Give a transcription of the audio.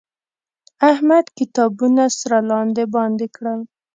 احمد کتابونه سره لاندې باندې کړل.